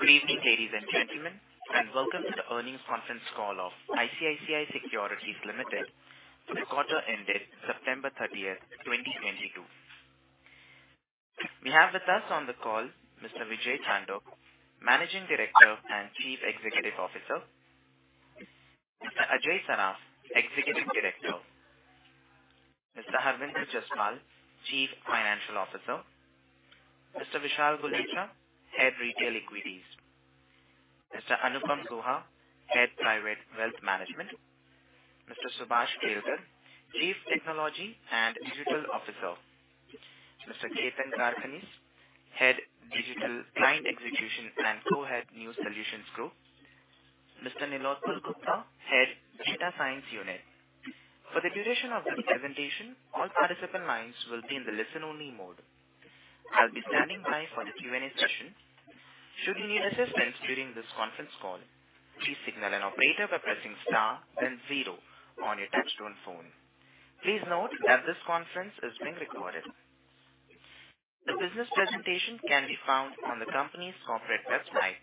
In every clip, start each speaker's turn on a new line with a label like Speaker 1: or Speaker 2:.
Speaker 1: Good evening, ladies and gentlemen, and welcome to the earnings conference call of ICICI Securities Limited for the quarter ended September 30, 2022. We have with us on the call Mr. Vijay Chandok, Managing Director and Chief Executive Officer, Mr. Ajay Saraf, Executive Director, Mr. Harvinder Jaspal, Chief Financial Officer, Mr. Vishal Gulechha, Head Retail Equities, Mr. Anupam Guha, Head Private Wealth Management, Mr. Subhash Kelkar, Chief Technology and Digital Officer, Mr. Chetan Karkhanis, Head Digital Client Execution and Co-head New Solutions Group, Mr. Nilotpal Gupta, Head Data Science Unit. For the duration of the presentation, all participant lines will be in the listen-only mode. I'll be standing by for the Q&A session. Should you need assistance during this conference call, please signal an operator by pressing star then zero on your touchtone phone. Please note that this conference is being recorded. The business presentation can be found on the company's corporate website,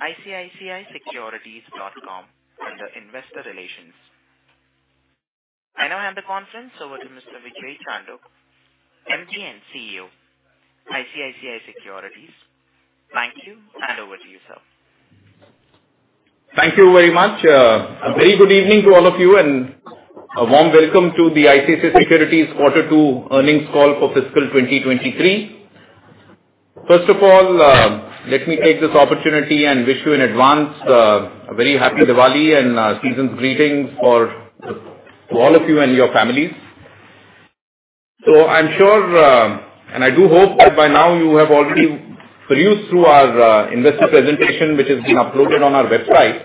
Speaker 1: icicisecurities.com, under Investor Relations. I now hand the conference over to Mr. Vijay Chandok, MD and CEO, ICICI Securities. Thank you, and over to you, sir.
Speaker 2: Thank you very much. A very good evening to all of you, and a warm welcome to the ICICI Securities quarter two earnings call for fiscal 2023. First of all, let me take this opportunity and wish you in advance a very happy Diwali and season's greetings to all of you and your families. I'm sure, and I do hope that by now you have already perused through our investor presentation, which has been uploaded on our website.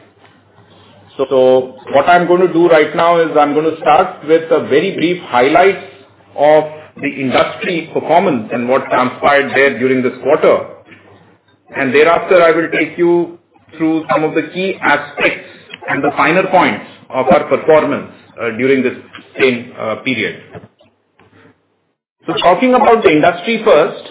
Speaker 2: What I'm gonna do right now is I'm gonna start with a very brief highlights of the industry performance and what transpired there during this quarter. Thereafter, I will take you through some of the key aspects and the finer points of our performance during this same period. Talking about the industry first,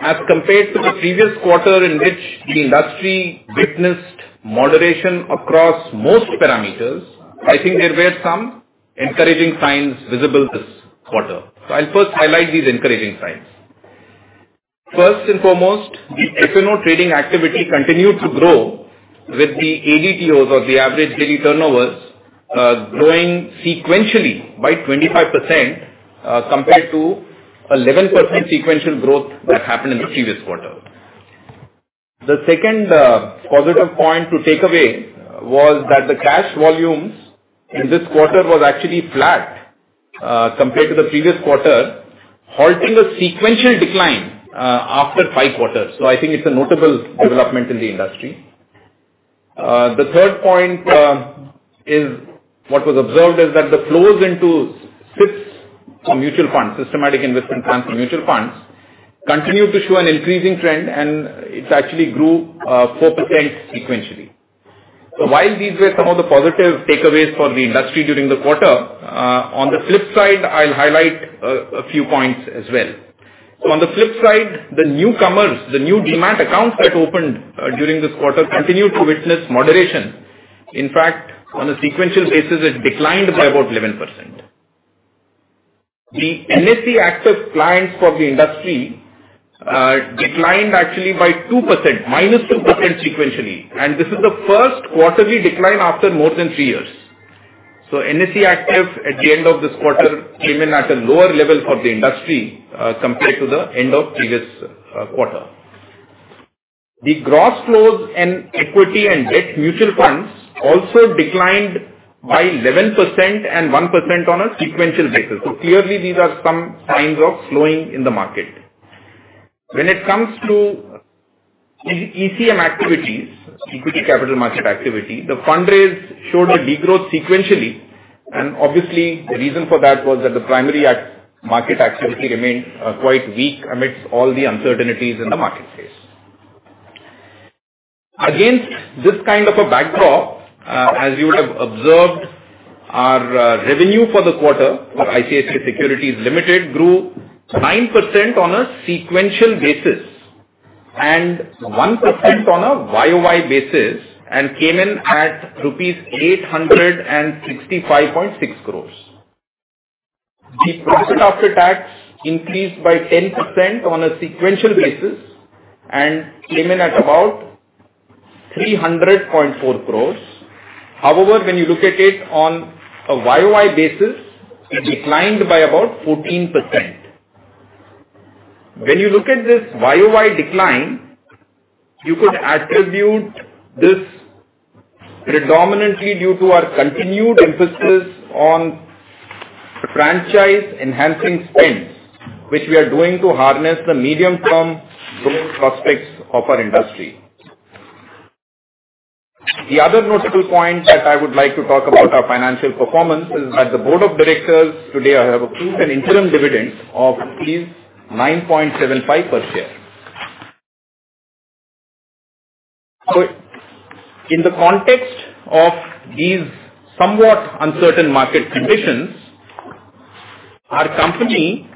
Speaker 2: as compared to the previous quarter in which the industry witnessed moderation across most parameters, I think there were some encouraging signs visible this quarter. I'll first highlight these encouraging signs. First and foremost, the F&O trading activity continued to grow with the ADTOs, or the average daily turnovers, growing sequentially by 25%, compared to 11% sequential growth that happened in the previous quarter. The second positive point to take away was that the cash volumes in this quarter was actually flat, compared to the previous quarter, halting a sequential decline, after Q5. I think it's a notable development in the industry. The third point is what was observed is that the flows into SIPs for mutual funds, systematic investment plans for mutual funds, continue to show an increasing trend, and it's actually grew 4% sequentially. While these were some of the positive takeaways for the industry during the quarter, on the flip side, I'll highlight a few points as well. On the flip side, the newcomers, the new DEMAT accounts that opened during this quarter continued to witness moderation. In fact, on a sequential basis, it declined by about 11%. The NSE active clients for the industry declined actually by 2%, -2% sequentially. This is the Q1 decline after more than three years. NSE active at the end of this quarter came in at a lower level for the industry compared to the end of previous quarter. The gross flows in equity and debt mutual funds also declined by 11% and 1% on a sequential basis. Clearly these are some signs of slowing in the market. When it comes to ECM activities, equity capital market activity, the fundraise showed a degrowth sequentially and obviously the reason for that was that the primary market activity remained quite weak amidst all the uncertainties in the market space. Against this kind of a backdrop, as you would have observed, our revenue for the quarter for ICICI Securities Limited grew 9% on a sequential basis and 1% on a YOY basis and came in at rupees 865.6 crores. The profit after tax increased by 10% on a sequential basis and came in at about 300.4 crores. However, when you look at it on a YOY basis, it declined by about 14%. When you look at this YOY decline, you could attribute this predominantly due to our continued emphasis on franchise-enhancing spends, which we are doing to harness the medium-term growth prospects of our industry. The other notable point that I would like to talk about our financial performance is that the board of directors today have approved an interim dividend of 9.75 per share. In the context of these somewhat uncertain market conditions. Our company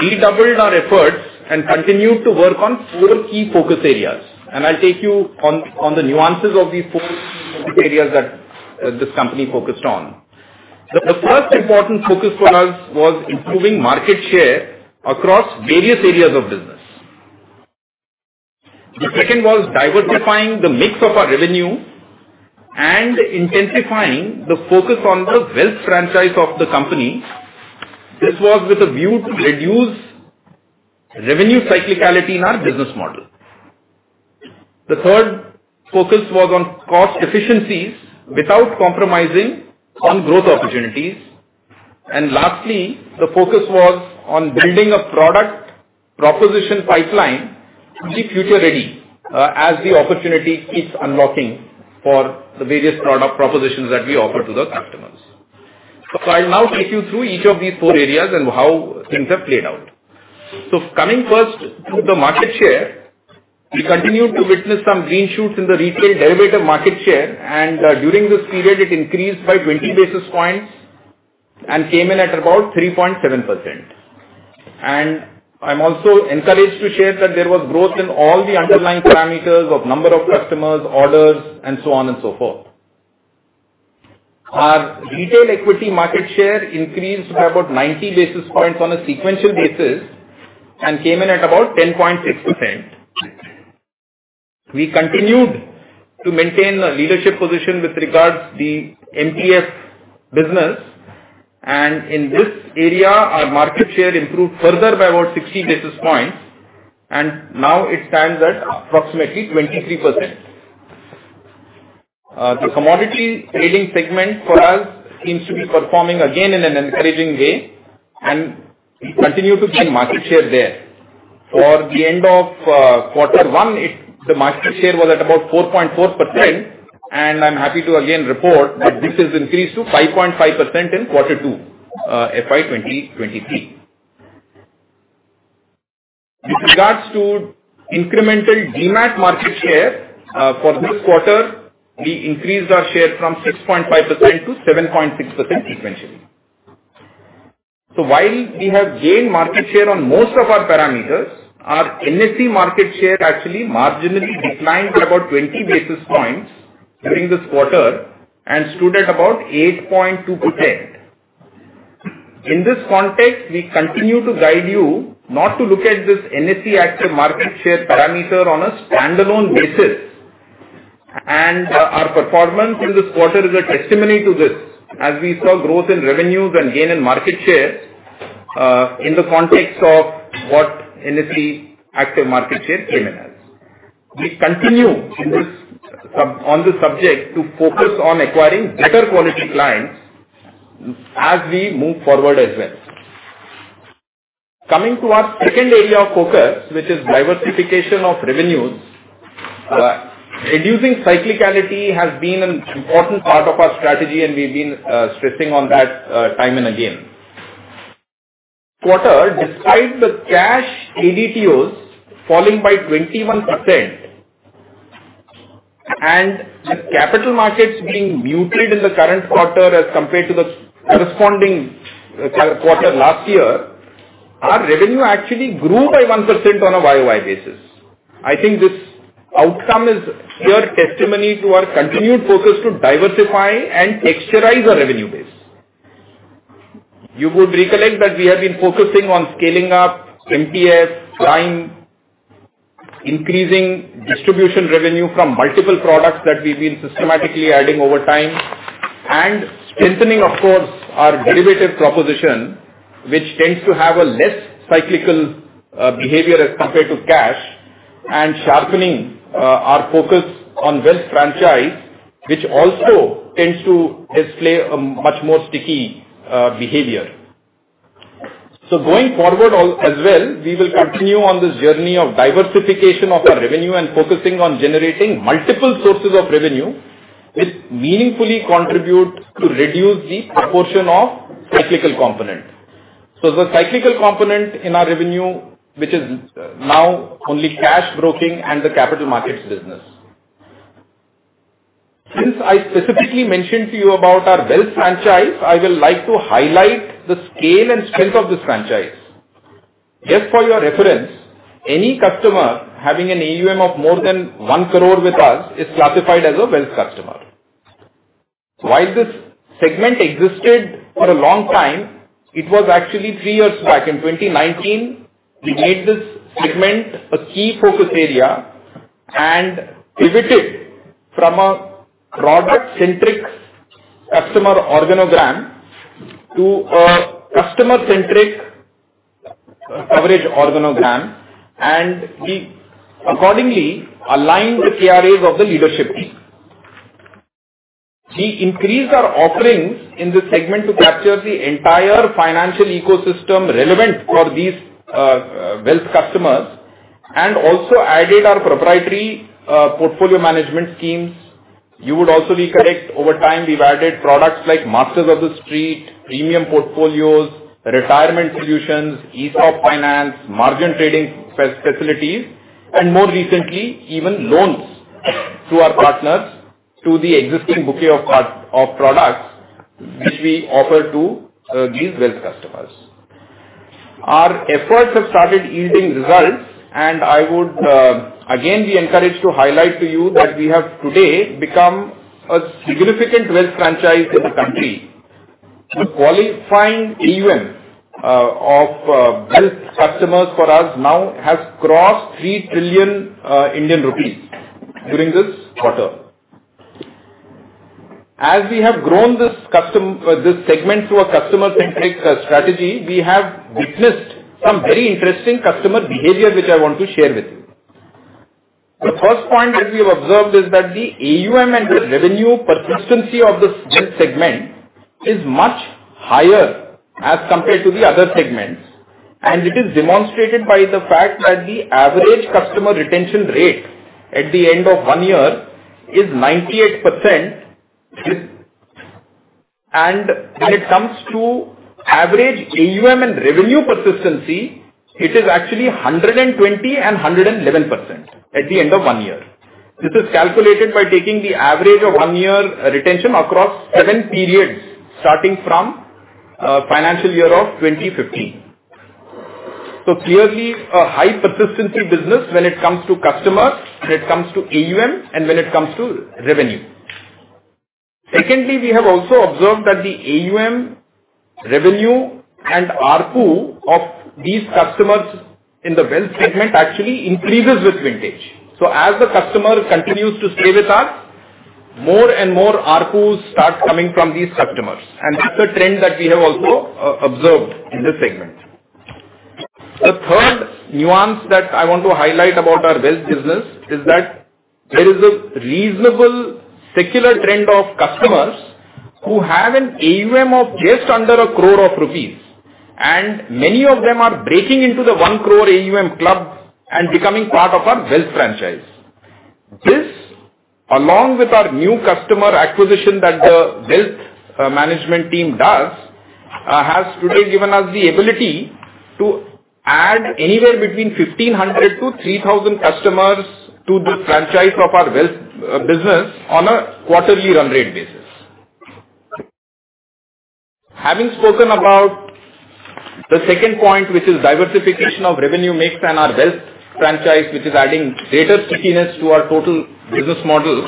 Speaker 2: redoubled our efforts and continued to work on four key focus areas, and I'll take you on the nuances of these four key focus areas that this company focused on. The first important focus for us was improving market share across various areas of business. The second was diversifying the mix of our revenue and intensifying the focus on the wealth franchise of the company. This was with a view to reduce revenue cyclicality in our business model. The third focus was on cost efficiencies without compromising on growth opportunities. Lastly, the focus was on building a product proposition pipeline to be future-ready, as the opportunity keeps unlocking for the various product propositions that we offer to the customers. I'll now take you through each of these four areas and how things have played out. Coming first to the market share. We continued to witness some green shoots in the retail derivative market share, and during this period it increased by 20 basis points and came in at about 3.7%. I'm also encouraged to share that there was growth in all the underlying parameters of number of customers, orders and so on and so forth. Our retail equity market share increased by about 90 basis points on a sequential basis and came in at about 10.6%. We continued to maintain a leadership position with regards the MTF business. In this area, our market share improved further by about 60 basis points, and now it stands at approximately 23%. The commodity trading segment for us seems to be performing again in an encouraging way, and we continue to gain market share there. For the end of quarter one, the market share was at about 4.4%, and I'm happy to again report that this has increased to 5.5% in quarter two, FY 2023. With regards to incremental DEMAT market share, for this quarter, we increased our share from 6.5% to 7.6% sequentially. While we have gained market share on most of our parameters, our NSE market share actually marginally declined by about 20 basis points during this quarter and stood at about 8.2%. In this context, we continue to guide you not to look at this NSE active market share parameter on a standalone basis. Our performance in this quarter is a testimony to this as we saw growth in revenues and gain in market share, in the context of what NSE active market share came in as. We continue on this subject to focus on acquiring better quality clients as we move forward as well. Coming to our second area of focus, which is diversification of revenues. Reducing cyclicality has been an important part of our strategy and we've been stressing on that time and again. Quarter, despite the cash ADTOs falling by 21% and the capital markets being muted in the current quarter as compared to the corresponding quarter last year, our revenue actually grew by 1% on a YOY basis. I think this outcome is clear testimony to our continued focus to diversify and texturize our revenue base. You would recollect that we have been focusing on scaling up MTF, client, increasing distribution revenue from multiple products that we've been systematically adding over time, and strengthening of course, our derivative proposition, which tends to have a less cyclical behavior as compared to cash and sharpening our focus on wealth franchise, which also tends to display a much more sticky behavior. Going forward as well, we will continue on this journey of diversification of our revenue and focusing on generating multiple sources of revenue which meaningfully contribute to reduce the proportion of cyclical component. The cyclical component in our revenue, which is now only cash broking and the capital markets business. Since I specifically mentioned to you about our wealth franchise, I will like to highlight the scale and strength of this franchise. Just for your reference, any customer having an AUM of more than 1 crore with us is classified as a wealth customer. While this segment existed for a long time, it was actually three years back in 2019 we made this segment a key focus area and pivoted from a product-centric customer organogram to a customer-centric coverage organogram, and we accordingly aligned KRAs of the leadership team. We increased our offerings in this segment to capture the entire financial ecosystem relevant for these wealth customers, and also added our proprietary portfolio management schemes. You would also recollect over time, we've added products like Masters of the Street, premium portfolios, retirement solutions, ESOP finance, margin trading facilities, and more recently even loans through our partners. To the existing bouquet of products which we offer to these wealth customers. Our efforts have started yielding results and I would again be encouraged to highlight to you that we have today become a significant wealth franchise in the country. The qualifying AUM of wealth customers for us now has crossed 3 trillion Indian rupees during this quarter. As we have grown this segment through a customer-centric strategy, we have witnessed some very interesting customer behavior which I want to share with you. The first point that we have observed is that the AUM and the revenue persistency of this wealth segment is much higher as compared to the other segments. It is demonstrated by the fact that the average customer retention rate at the end of one year is 98%. When it comes to average AUM and revenue persistency, it is actually 120% and 111% at the end of one year. This is calculated by taking the average of one year retention across seven periods, starting from financial year of 2015. Clearly a high persistency business when it comes to customers, when it comes to AUM, and when it comes to revenue. Secondly, we have also observed that the AUM revenue and ARPU of these customers in the wealth segment actually increases with vintage. As the customer continues to stay with us, more and more ARPUs start coming from these customers. That's a trend that we have also observed in this segment. The third nuance that I want to highlight about our wealth business is that there is a reasonable secular trend of customers who have an AUM of just under 1 crore rupees, and many of them are breaking into the 1 crore INR AUM club and becoming part of our wealth franchise. This, along with our new customer acquisition that the wealth management team does, has today given us the ability to add anywhere between 1,500-3,000 customers to the franchise of our wealth business on a quarterly run rate basis. Having spoken about the second point, which is diversification of revenue mix and our wealth franchise, which is adding greater stickiness to our total business model,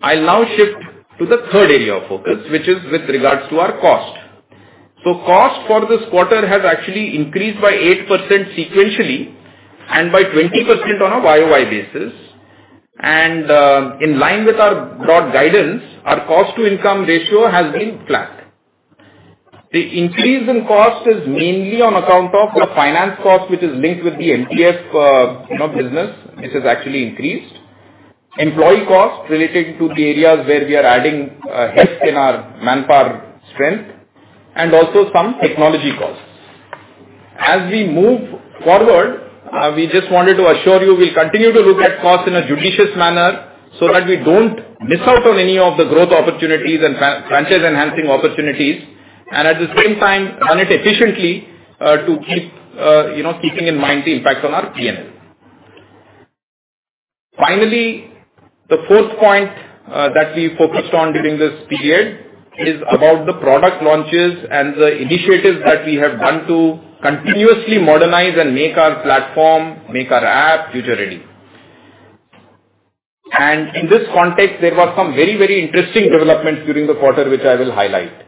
Speaker 2: I'll now shift to the third area of focus, which is with regards to our cost. Cost for this quarter has actually increased by 8% sequentially and by 20% on a YOY basis. In line with our broad guidance, our cost-to-income ratio has been flat. The increase in cost is mainly on account of the finance cost, which is linked with the MTF, business. This has actually increased. Employee costs relating to the areas where we are adding, heft in our manpower strength, and also some technology costs. As we move forward, we just wanted to assure you we'll continue to look at costs in a judicious manner so that we don't miss out on any of the growth opportunities and franchise-enhancing opportunities. At the same time, run it efficiently, to keep, keeping in mind the impact on our P&L. Finally, the fourth point that we focused on during this period is about the product launches and the initiatives that we have done to continuously modernize and make our platform, make our app future-ready. In this context, there were some very, very interesting developments during the quarter, which I will highlight.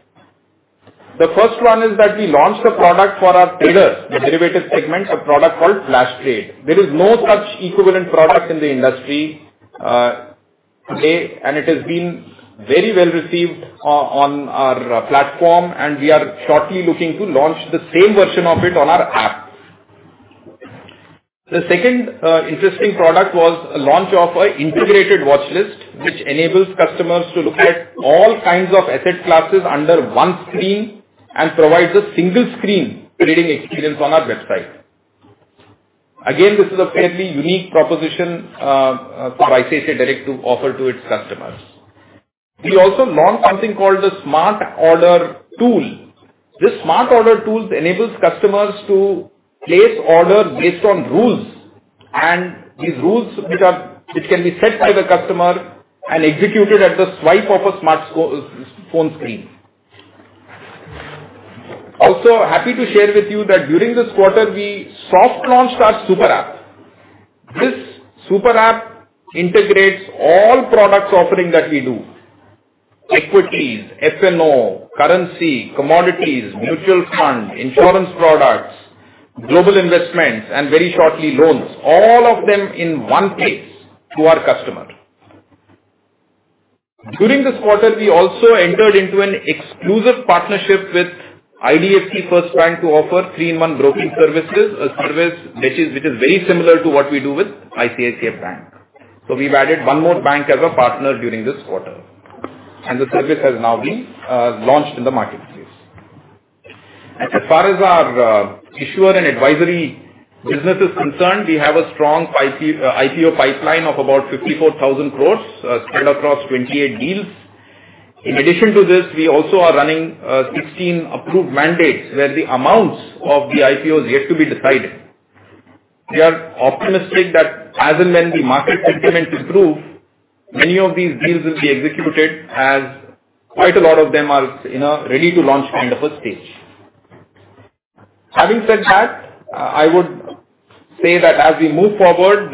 Speaker 2: The first one is that we launched a product for our traders, the derivatives segment, a product called Flash Trade. There is no such equivalent product in the industry, today, and it has been very well received on our platform, and we are shortly looking to launch the same version of it on our app. The second, interesting product was a launch of an integrated watchlist, which enables customers to look at all kinds of asset classes under one screen and provides a single screen trading experience on our website. Again, this is a fairly unique proposition, for ICICI Direct to offer to its customers. We also launched something called the Smart Order Tool. This Smart Order Tool enables customers to place orders based on rules and these rules which can be set by the customer and executed at the swipe of a smartphone screen. Also, happy to share with you that during this quarter we soft launched our super app. This super app integrates all products offering that we do. Equities, F&O, currency, commodities, mutual funds, insurance products, global investments and very shortly, loans, all of them in one place to our customer. During this quarter, we also entered into an exclusive partnership with IDFC First Bank to offer three-in-one broking services, a service which is very similar to what we do with ICICI Bank. We've added one more bank as a partner during this quarter, and the service has now been launched in the marketplace. As far as our issuer and advisory business is concerned, we have a strong IPO pipeline of about 54,000 crore, spread across 28 deals. In addition to this, we also are running 16 approved mandates where the amounts of the IPOs are yet to be decided. We are optimistic that as and when the market sentiments improve, many of these deals will be executed as quite a lot of them are, ready to launch kind of a stage. Having said that, I would say that as we move forward,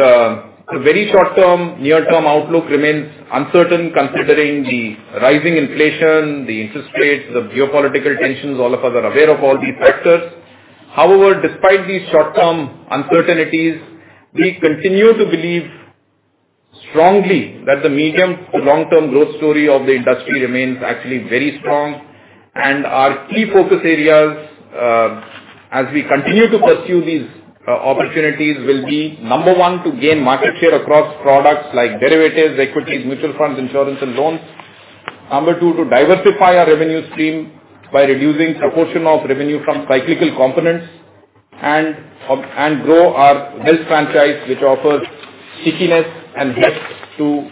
Speaker 2: the very short-term, near-term outlook remains uncertain considering the rising inflation, the interest rates, the geopolitical tensions. All of us are aware of all these factors. However, despite these short-term uncertainties, we continue to believe strongly that the medium- to long-term growth story of the industry remains actually very strong. Our key focus areas, as we continue to pursue these opportunities will be, number one, to gain market share across products like derivatives, equities, mutual funds, insurance and loans. Number two, to diversify our revenue stream by reducing proportion of revenue from cyclical components and grow our wealth franchise, which offers stickiness and depth to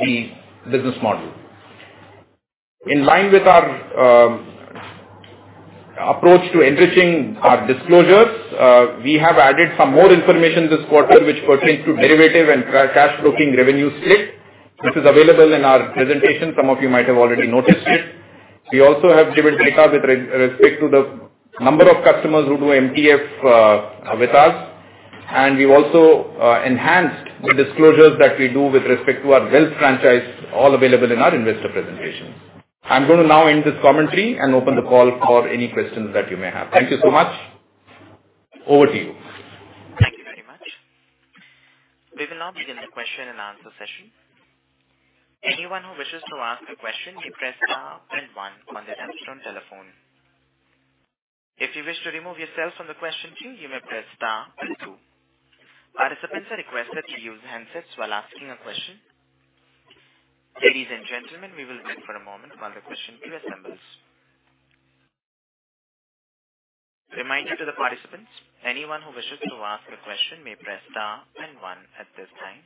Speaker 2: the business model. In line with our approach to enriching our disclosures, we have added some more information this quarter which pertains to derivatives and cash broking revenue split. This is available in our presentation. Some of you might have already noticed it. We also have given data with respect to the number of customers who do MTF with us. We've also enhanced the disclosures that we do with respect to our wealth franchise, all available in our investor presentations. I'm gonna now end this commentary and open the call for any questions that you may have. Thank you so much. Over to you.
Speaker 1: Thank you very much. We will now begin the question-and-answer session. Anyone who wishes to ask a question, you press star and one on their telephone. If you wish to remove yourself from the question queue, you may press star and two. Participants are requested to use handsets while asking a question. Ladies and gentlemen, we will wait for a moment while the question queue assembles. Reminder to the participants, anyone who wishes to ask a question may press star and one at this time.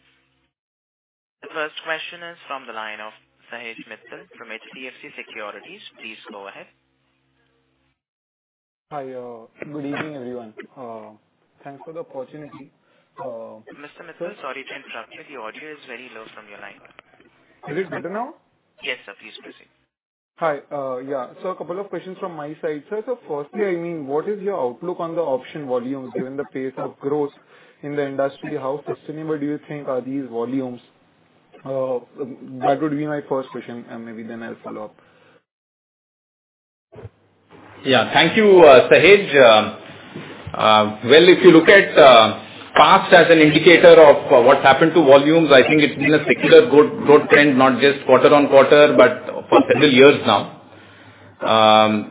Speaker 1: The first question is from the line of Sahaj Mittal from HDFC Securities. Please go ahead.
Speaker 3: Hi. Good evening, everyone. Thanks for the opportunity.
Speaker 1: Mr. Mittal, sorry to interrupt you. The audio is very low from your line.
Speaker 3: Is it better now?
Speaker 1: Yes, sir. Please proceed.
Speaker 3: Hi. A couple of questions from my side. Sir, firstly, I mean, what is your outlook on the option volumes given the pace of growth in the industry? How sustainable do you think are these volumes? That would be my first question, and maybe then I'll follow up.
Speaker 2: Yeah. Thank you, Sahaj. Well, if you look at past as an indicator of what's happened to volumes, I think it's been a secular growth trend, not just quarter-on-quarter, but for several years now.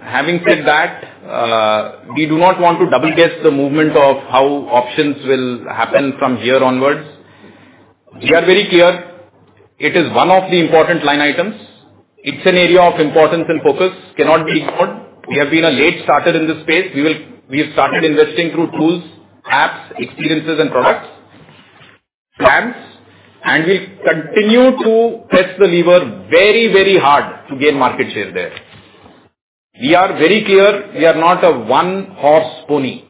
Speaker 2: Having said that, we do not want to double-guess the movement of how options will happen from here onwards. We are very clear it is one of the important line items. It's an area of importance and focus, cannot be ignored. We have been a late starter in this space. We have started investing through tools, apps, experiences and products, plans, and we'll continue to press the lever very, very hard to gain market share there. We are very clear we are not a one-horse pony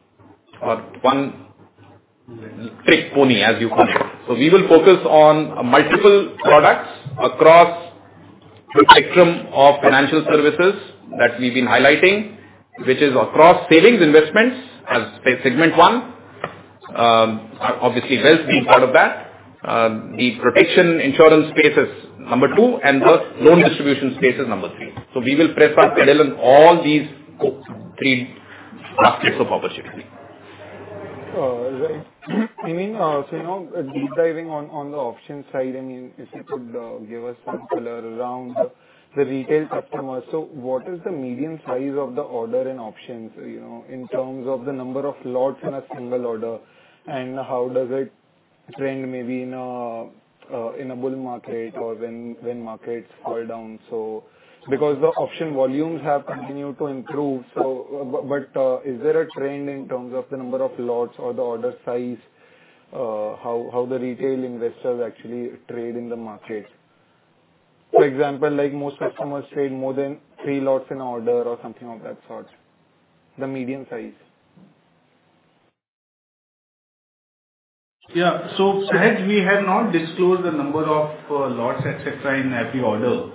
Speaker 2: or one-trick pony, as you call it. We will focus on multiple products across the spectrum of financial services that we've been highlighting, which is across savings investments as segment one. Obviously, wealth being part of that. The protection insurance space is number two, and the loan distribution space is number three. We will press our pedal in all these three baskets of opportunity.
Speaker 3: Right. I mean, deep diving on the options side, I mean, if you could give us some color around the retail customers. What is the median size of the order in options, in terms of the number of lots in a single order, and how does it trend maybe in a bull market or when markets fall down? Because the option volumes have continued to improve, but is there a trend in terms of the number of lots or the order size, how the retail investors actually trade in the market? For example, like most customers trade more than three lots in order or something of that sort, the median size.
Speaker 4: Yeah. Sahaj, we have not disclosed the number of lots, et cetera, in every order.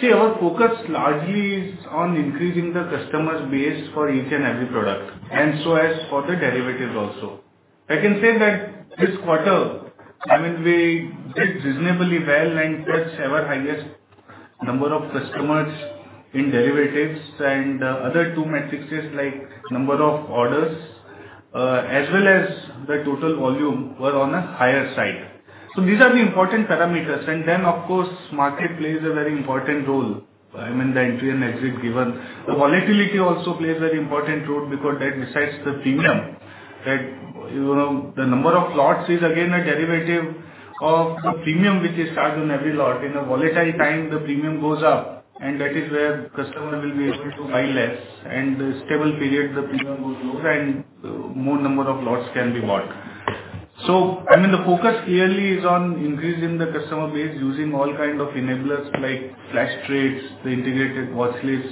Speaker 4: See, our focus largely is on increasing the customer base for each and every product, and so as for the derivatives also. I can say that this quarter, I mean, we did reasonably well and touched our highest number of customers in derivatives and other two metrics like number of orders, as well as the total volume were on a higher side. These are the important parameters. Of course, market plays a very important role. I mean, the entry and exit given. The volatility also plays a very important role because that decides the premium that, the number of lots is again a derivative of the premium which is charged on every lot. In a volatile time, the premium goes up, and that is where customer will be able to buy less. Stable period, the premium goes low and more number of lots can be bought.
Speaker 3: I mean, the focus clearly is on increasing the customer base using all kinds of enablers like Flash Trade, the integrated watchlist,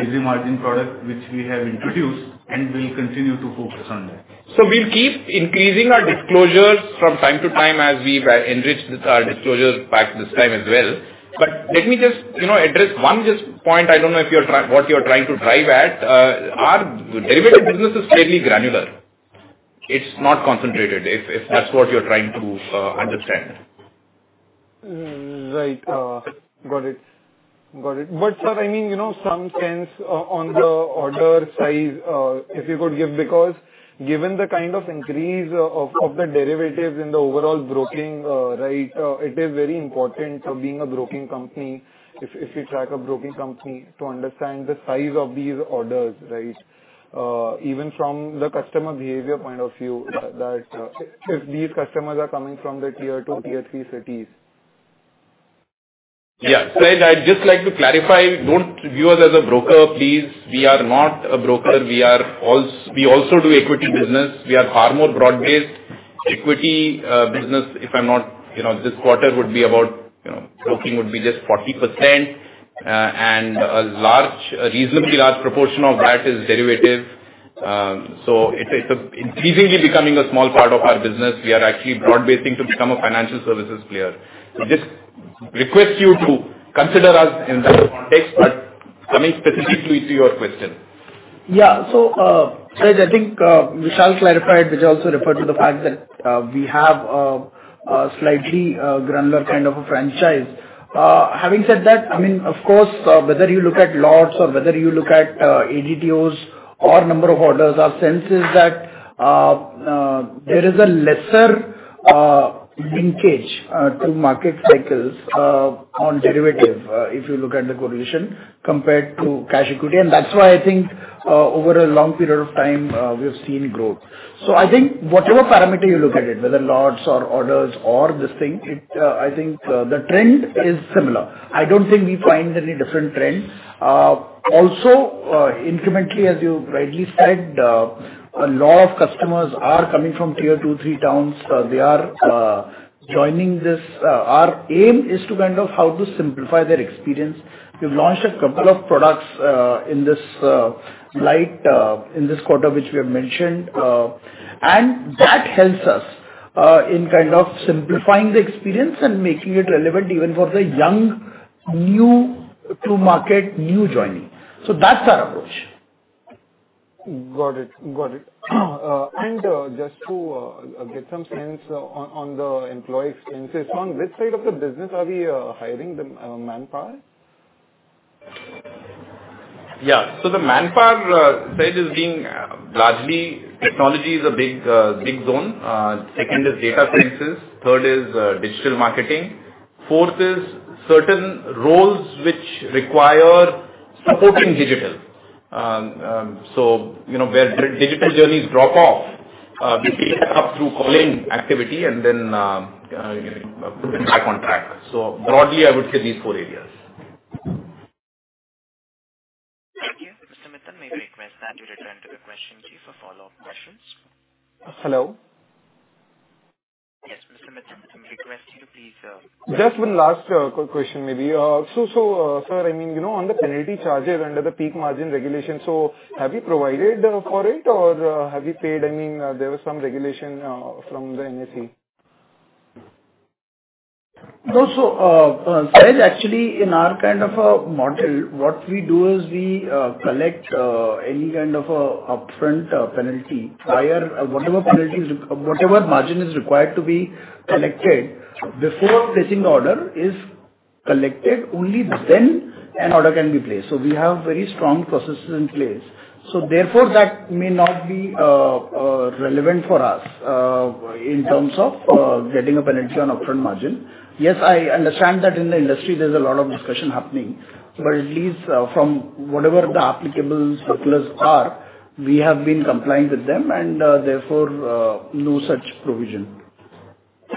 Speaker 3: easy margin product, which we have introduced, and we'll continue to focus on that.
Speaker 2: We'll keep increasing our disclosures from time to time as we've enriched our disclosures back this time as well. Let me just, address one just point. I don't know if you're what you're trying to drive at. Our derivative business is fairly granular. It's not concentrated, if that's what you're trying to understand.
Speaker 3: Right. Got it. Sir, I mean, some sense on the order size, if you could give, because given the kind of increase of the derivatives in the overall broking, right, it is very important for being a broking company, if you track a broking company, to understand the size of these orders, right? Even from the customer behavior point of view that, if these customers are coming from the tier two, tier three cities.
Speaker 2: Sahej, I'd just like to clarify, don't view us as a broker, please. We are not a broker. We also do equity business. We are far more broad-based equity business. You know, this quarter would be about, broking would be just 40%, and a reasonably large proportion of that is derivative. It's increasingly becoming a small part of our business. We are actually broad basing to become a financial services player. Just request you to consider us in that context but coming specifically to your question.
Speaker 5: Yeah. Sahej, I think Vishal clarified, Vijay also referred to the fact that we have a slightly granular kind of a franchise. Having said that, I mean, of course, whether you look at lots or whether you look at ADTOs or number of orders, our sense is that there is a lesser linkage to market cycles on derivatives if you look at the correlation compared to cash equity. That's why I think over a long period of time, we've seen growth. I think whatever parameter you look at it, whether lots or orders or this thing, it I think the trend is similar. I don't think we find any different trends. Also, incrementally, as you rightly said, a lot of customers are coming from tier two, three towns. They are joining this. Our aim is to kind of how to simplify their experience. We've launched a couple of products, in this light, in this quarter, which we have mentioned. That helps us, in kind of simplifying the experience and making it relevant even for the young, new to market, new joining. That's our approach.
Speaker 3: Got it. Just to get some sense on the employee strength, on which side of the business are we hiring the manpower?
Speaker 2: Yeah. The manpower side is being largely technology is a big zone. Second is data sciences. Third is digital marketing. Fourth is certain roles which require supporting digital. You know, where digital journeys drop off, we pick it up through calling activity and then put it back on track. Broadly, I would say these four areas.
Speaker 1: Thank you. Mr. Mittal, may we request that you return to the question queue for follow-up questions?
Speaker 3: Hello?
Speaker 1: Yes, Mr. Mittal, may we request you to please.
Speaker 3: Just one last question maybe. So, sir, I mean, on the penalty charges under the peak margin regulation, have you provided for it or have you paid? I mean, there was some regulation from the NSE.
Speaker 5: No. Sahej, actually in our kind of a model, what we do is we collect any kind of a upfront penalty prior. Whatever margin is required to be collected before placing the order is collected, only then an order can be placed. We have very strong processes in place. Therefore, that may not be relevant for us in terms of getting a penalty on upfront margin. Yes, I understand that in the industry there's a lot of discussion happening. At least, from whatever the applicable circulars are, we have been compliant with them and therefore no such provision.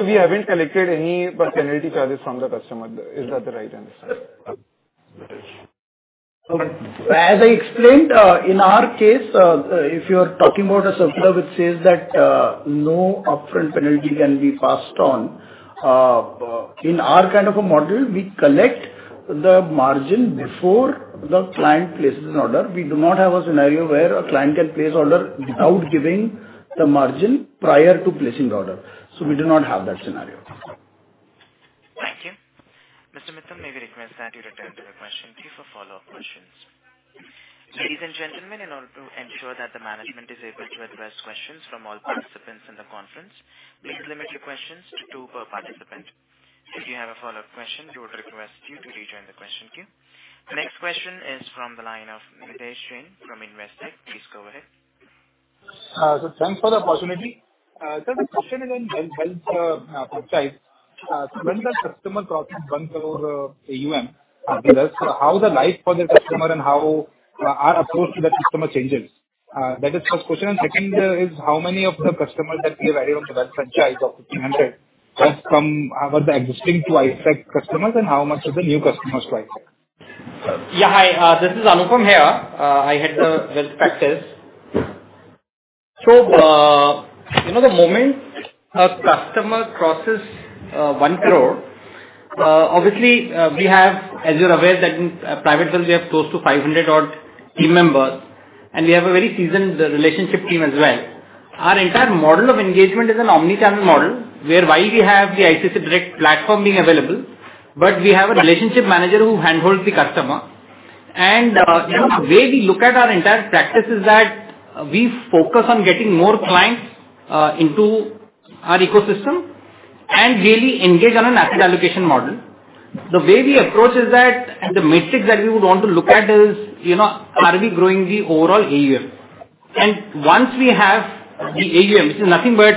Speaker 3: We haven't collected any penalty charges from the customer. Is that the right answer?
Speaker 5: Okay. As I explained, in our case, if you're talking about a circular which says that no upfront penalty can be passed on, in our kind of a model, we collect the margin before the client places an order. We do not have a scenario where a client can place order without giving the margin prior to placing the order. We do not have that scenario.
Speaker 1: Thank you. Mr. Mittal, may we request that you return to the question queue for follow-up questions? Ladies and gentlemen, in order to ensure that the management is able to address questions from all participants in the conference, please limit your questions to two per participant. If you have a follow-up question, we would request you to rejoin the question queue. The next question is from the line of Nidhesh Jain from Investec. Please go ahead.
Speaker 6: Thanks for the opportunity. Sir, the question is on wealth franchise. When the customer crosses INR 1 crore AUM, I guess, how the life for the customer and how our approach to that customer changes? That is the first question. Second is how many of the customers that we have added on to that franchise of 1,500? That's from the existing ICICI Securities customers and how many are the new customers to ICICI Securities?
Speaker 7: Yeah. Hi, this is Anupam Guha here. I head the wealth practice. You know, the moment a customer crosses 1 crore, obviously, we have, as you're aware, that in Private Wealth we have close to 500 odd team members, and we have a very seasoned relationship team as well. Our entire model of engagement is an omni-channel model, where while we have the ICICI Direct platform being available, but we have a relationship manager who handholds the customer. You know, the way we look at our entire practice is that we focus on getting more clients into our ecosystem and really engage on an asset allocation model. The way we approach is that the metric that we would want to look at is, are we growing the overall AUM?
Speaker 5: Once we have the AUM, which is nothing but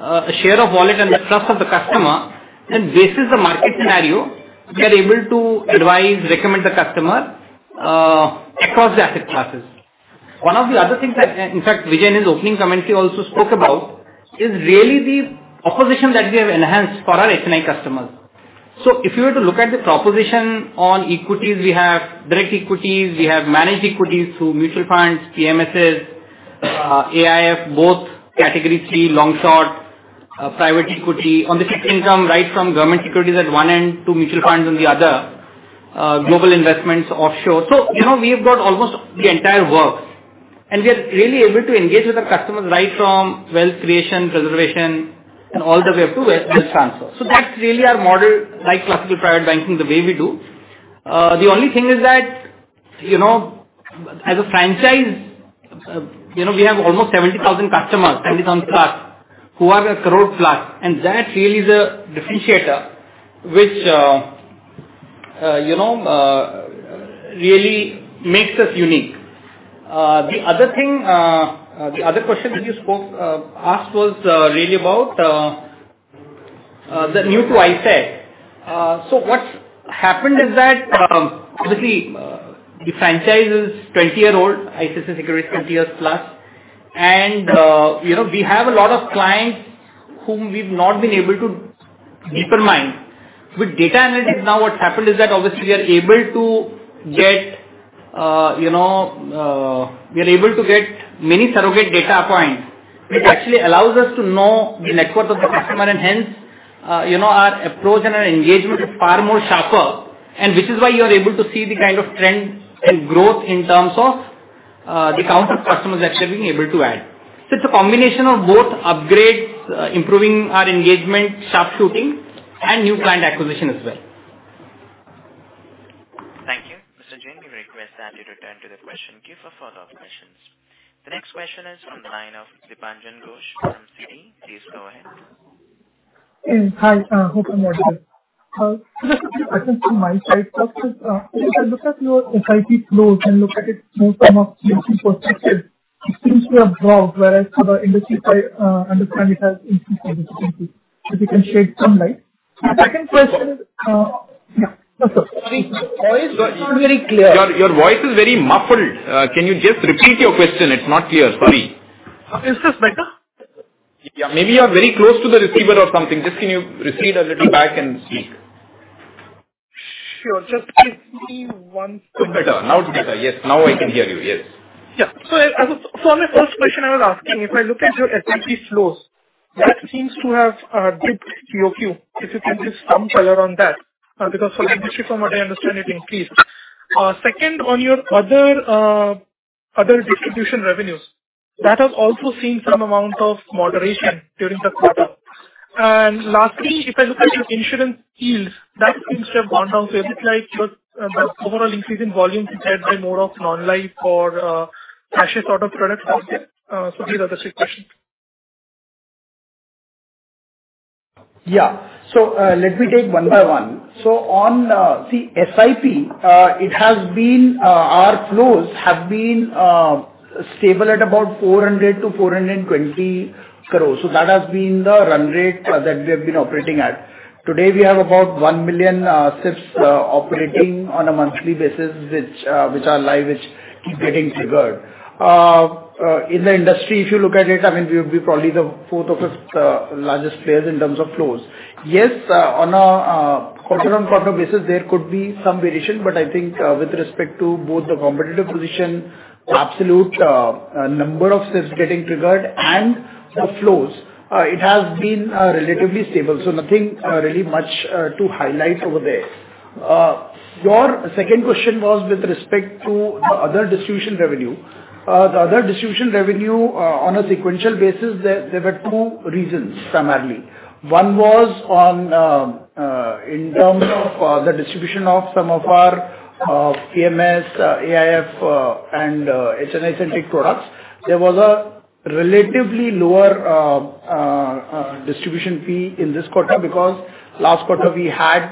Speaker 5: a share of wallet and the trust of the customer, then based on the market scenario, we are able to advise, recommend the customer across the asset classes. One of the other things that, in fact, Vijay Chandok in his opening comments he also spoke about is really the proposition that we have enhanced for our HNI customers. If you were to look at the proposition on equities, we have direct equities, we have managed equities through mutual funds, PMSs, AIF, both Category three, long/short, private equity. On the fixed income, right from government securities at one end to mutual funds on the other, global investments offshore. You know, we have got almost the entire works, and we are really able to engage with the customers right from wealth creation, preservation, and all the way up to wealth transfer. That's really our model, like classical private banking, the way we do. The only thing is that, as a franchise, we have almost 70,000 customers, 70,000 plus, who are at crore plus, and that really is a differentiator, which, really makes us unique. The other thing, the other question that you asked was, really about the new to ICICI. What's happened is that, obviously, the franchise is 20-year-old ICICI Securities, 20 years plus, and, we have a lot of clients whom we've not been able to deepen mine. With data analytics now what's happened is that obviously we are able to get many surrogate data points, which actually allows us to know the net worth of the customer and hence our approach and our engagement is far more sharper. Which is why you are able to see the kind of trends and growth in terms of the count of customers actually being able to add. It's a combination of both upgrades, improving our engagement, cross-selling and new client acquisition as well.
Speaker 1: Thank you. Mr. Jain, we request that you return to the question queue for follow-up questions. The next question is on the line of Dipanjan Ghosh from Citi. Please go ahead.
Speaker 8: Hi, hope I'm audible. Just a few questions from my side. First is, if I look at your SIP flows and look at it more from a YTD perspective, it seems to have dropped, whereas for the industry side, I understand it has increased significantly. If you can shed some light. Second question is. Yeah. Yes, sir.
Speaker 5: Sorry.
Speaker 8: Voice is not very clear.
Speaker 5: Your voice is very muffled. Can you just repeat your question? It's not clear. Sorry.
Speaker 8: Is this better?
Speaker 5: Yeah. Maybe you're very close to the receiver or something. Just can you recede a little back and speak?
Speaker 8: Sure. Just give me one second.
Speaker 5: Better. Now it's better. Yes. Now I can hear you. Yes.
Speaker 8: On my first question I was asking, if I look at your SIP flows, that seems to have dipped QoQ. If you can give some color on that, because for the industry, from what I understand, it increased. Second, on your other distribution revenues, that has also seen some amount of moderation during the quarter. Lastly, if I look at your insurance yields, that seems to have gone down. Is it like your overall increase in volume is led by more of non-life or crashes sort of products out there? These are the three questions.
Speaker 5: Yeah. Let me take one by one. On SIP, our flows have been stable at about 400-420 crores. That has been the run rate that we have been operating at. Today, we have about 1 million SIPs operating on a monthly basis, which are live, which keep getting triggered. In the industry, if you look at it, I mean, we would be probably the fourth or fifth largest players in terms of flows. Yes, on a quarter-on-quarter basis, there could be some variation, but I think, with respect to both the competitive position, absolute number of SIPs getting triggered and the flows, it has been relatively stable, so nothing really much to highlight over there. Your second question was with respect to the other distribution revenue. The other distribution revenue, on a sequential basis, there were two reasons primarily. One was on, in terms of, the distribution of some of our PMS, AIF, and HNI-centric products. There was a relatively lower distribution fee in this quarter because last quarter we had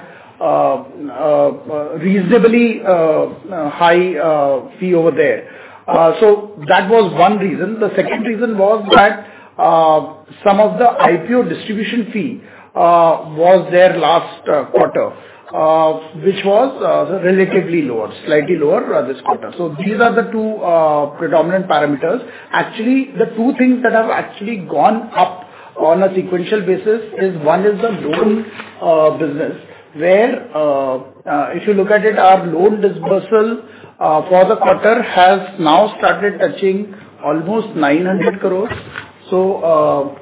Speaker 5: reasonably high fee over there. So that was one reason. The second reason was that, some of the IPO distribution fee was there last quarter, which was relatively lower, slightly lower this quarter. These are the two predominant parameters. Actually, the two things that have actually gone up on a sequential basis is one, the loan business, where if you look at it, our loan dispersal for the quarter has now started touching almost 900 crore. So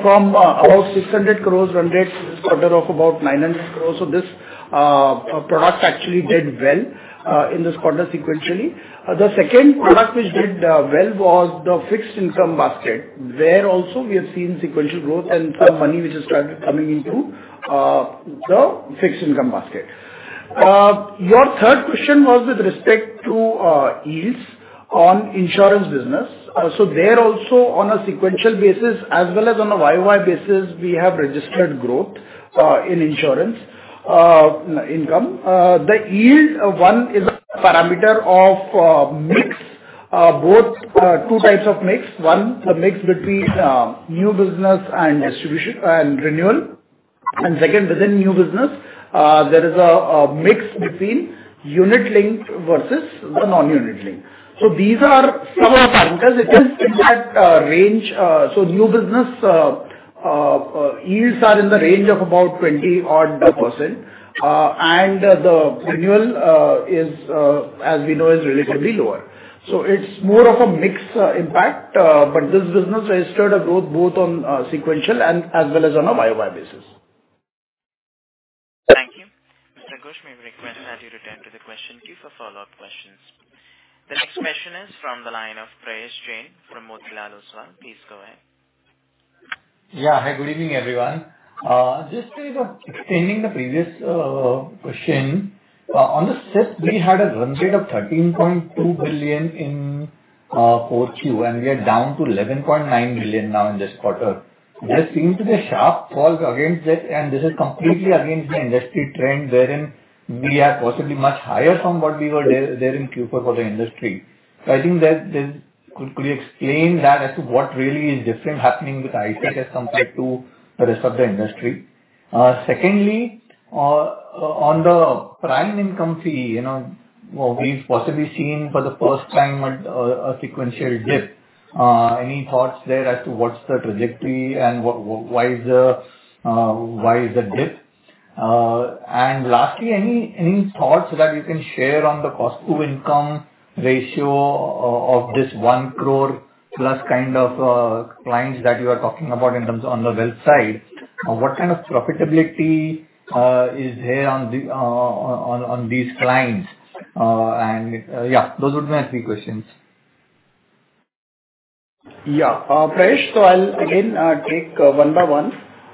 Speaker 5: from about 600 crore run rate this quarter of about 900 crore. This product actually did well in this quarter sequentially. The second product which did well was the fixed income basket, where also we have seen sequential growth and some money which has started coming into the fixed income basket. Your third question was with respect to yields on insurance business. There also on a sequential basis as well as on a YoY basis, we have registered growth in insurance income. The yield one is a parameter of mix both two types of mix, one, the mix between new business and distribution and renewal. Second, within new business, there is a mix between unit linked versus the non-unit linked. These are some of our parameters. It is in that range. New business yields are in the range of about 20-odd%. The renewal is, as we know, relatively lower. It's more of a mix impact. This business registered a growth both on sequential and as well as on a YOY basis.
Speaker 1: Thank you. Mr. Ghosh, may we request that you return to the question queue for follow-up questions. The next question is from the line of Prayesh Jain from Motilal Oswal. Please go ahead.
Speaker 9: Yeah. Hi, good evening, everyone. Just to continue the previous question. On the SIP we had a run rate of INR 13.2 billion in Q4, and we are down to 11.9 billion now in this quarter. There seems to be a sharp fall against it, and this is completely against the industry trend wherein we are possibly much higher from what we were there in Q4 for the industry. I think that this could explain that as to what really is different happening with ICICI compared to the rest of the industry. Secondly, on the prime income fee, we've possibly seen for the first time a sequential dip. Any thoughts there as to what's the trajectory and why the dip? Lastly, any thoughts that you can share on the cost-to-income ratio of this 1 crore plus kind of clients that you are talking about in terms of the wealth side? What kind of profitability is there on these clients? Yeah, those would be my three questions.
Speaker 5: Yeah. Prayesh, I'll again take one by one.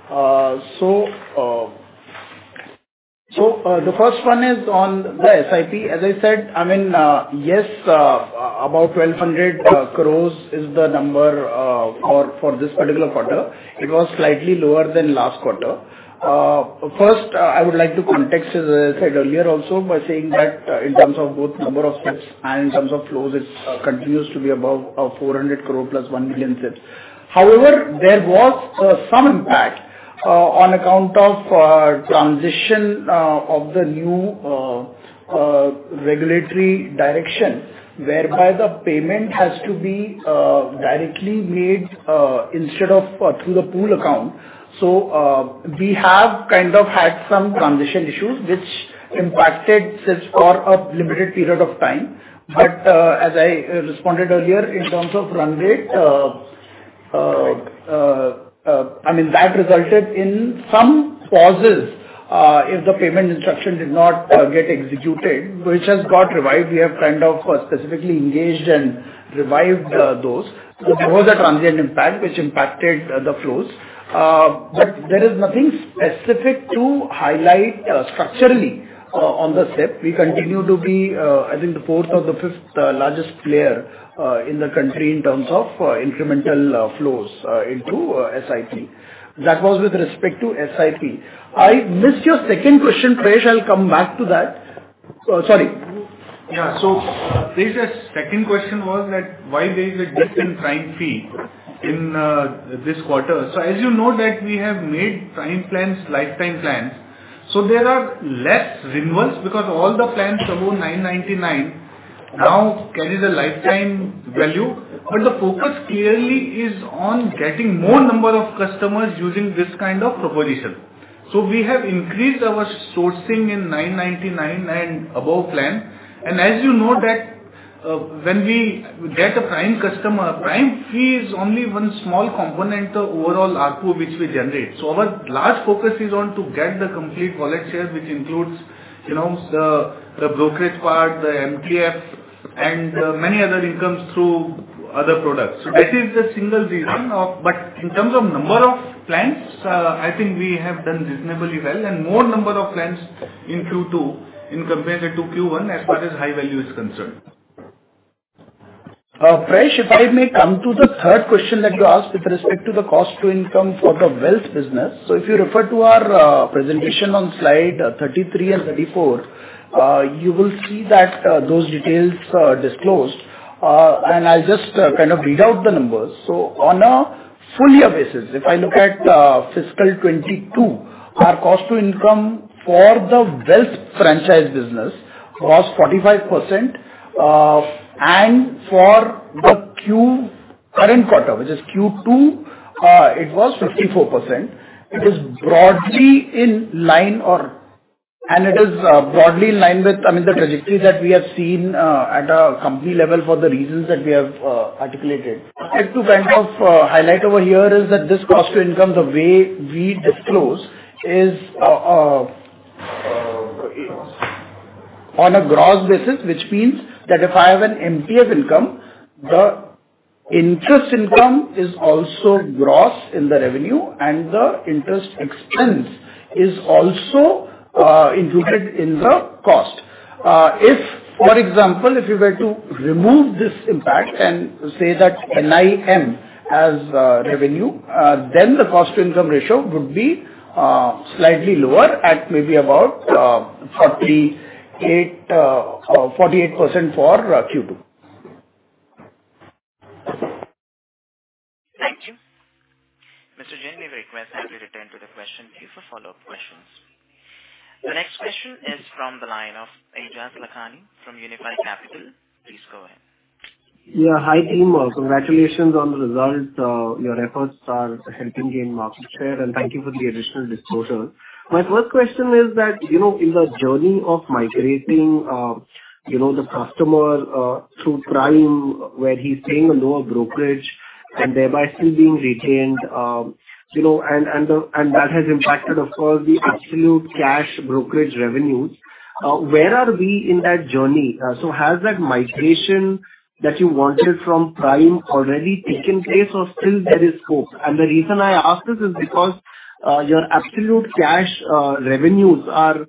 Speaker 5: The first one is on the SIP. As I said, I mean, yes, about 1,200 crore is the number for this particular quarter. It was slightly lower than last quarter. First, I would like to contextualize, as I said earlier, also by saying that, in terms of both number of SIPs and in terms of flows, it continues to be above 400 crore plus 1 million SIPs. However, there was some impact on account of transition of the new regulatory directive, whereby the payment has to be directly made instead of through the pool account. We have kind of had some transition issues which impacted SIPs for a limited period of time. As I responded earlier in terms of run rate, I mean, that resulted in some pauses if the payment instruction did not get executed, which has got revived. We have kind of specifically engaged and revived those. That was a transient impact which impacted the flows. There is nothing specific to highlight structurally on the SIP. We continue to be, I think the fourth or the fifth largest player in the country in terms of incremental flows into SIP. That was with respect to SIP. I missed your second question, Prayesh. I'll come back to that. Sorry.
Speaker 4: Yeah. Prayesh's second question was that why there is a dip in prime fee in this quarter. As you know that we have made prime plans lifetime plans, there are less renewals because all the plans above 999 now carries a lifetime value. But the focus clearly is on getting more number of customers using this kind of proposition. We have increased our sourcing in 999 and above plan. As you know that when we get a prime customer, prime fee is only one small component of overall ARPU which we generate. Our large focus is on to get the complete wallet share, which includes, the brokerage part, the MTF and many other incomes through other products. That is the single reason. In terms of number of plans, I think we have done reasonably well and more number of plans in Q2 in comparison to Q1 as far as high value is concerned.
Speaker 5: Prayesh, if I may come to the third question that you asked with respect to the cost to income for the wealth business. If you refer to our presentation on slide 33 and 34, you will see that those details are disclosed. I'll just kind of read out the numbers. On a full year basis, if I look at fiscal 2022, our cost to income for the wealth franchise business was 45%. For the Q- Current quarter, which is Q2, it was 54%. It is broadly in line with, I mean, the trajectory that we have seen at a company level for the reasons that we have articulated. I have to kind of highlight over here is that this cost-to-income, the way we disclose is on a gross basis, which means that if I have an MTF income, the interest income is also gross in the revenue, and the interest expense is also included in the cost. If for example, if you were to remove this impact and say that NIM as revenue, then the cost-to-income ratio would be slightly lower at maybe about 48% for Q2.
Speaker 1: Thank you. Mr. Jain, we request that you return to the question queue for follow-up questions. The next question is from the line of Aejas Lakhani from Unifi Capital. Please go ahead.
Speaker 10: Yeah. Hi, team. Congratulations on the results. Your efforts are helping gain market share and thank you for the additional disclosure. My first question is that, in the journey of migrating, the customer through Prime where he's paying a lower brokerage and thereby still being retained, and that has impacted of course the absolute cash brokerage revenues. Where are we in that journey? So, has that migration that you wanted from Prime already taken place or still there is scope? The reason I ask this is because your absolute cash revenues are,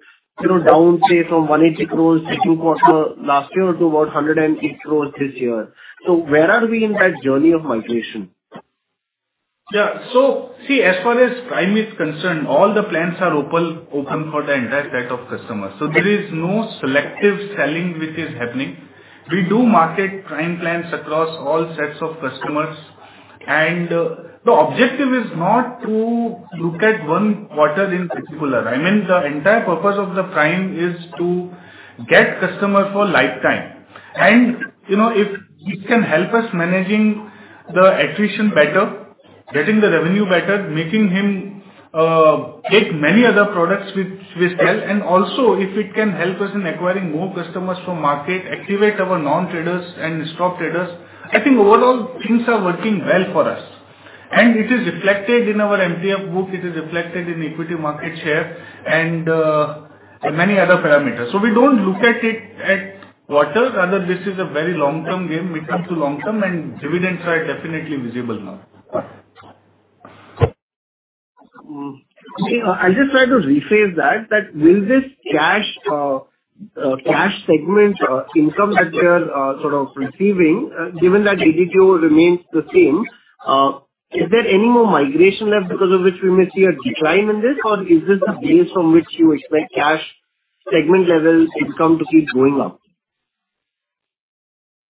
Speaker 10: down, say, from 180 crore Q2 last year to about 180 crore this year. So where are we in that journey of migration?
Speaker 4: Yeah. See, as far as Prime is concerned, all the plans are open for the entire set of customers. There is no selective selling which is happening. We do market Prime plans across all sets of customers. The objective is not to look at one quarter in particular. I mean, the entire purpose of the Prime is to get customer for lifetime. You know, if it can help us managing the attrition better, getting the revenue better, making him take many other products which sell, and also if it can help us in acquiring more customers from market, activate our non-traders and stock traders, I think overall things are working well for us. It is reflected in our MTF book, it is reflected in equity market share and in many other parameters. We don't look at it at quarters. Rather, this is a very long-term game. When it comes to long-term, and dividends are definitely visible now.
Speaker 10: Okay. I'll just try to rephrase that. This cash segment income that you're sort of receiving, given that ADTO remains the same, is there any more migration left because of which we may see a decline in this? Or is this the base from which you expect cash segment level income to keep going up?